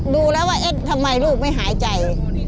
ดูแล้วว่าเอ๊ะทำไมลูกไม่หายใจ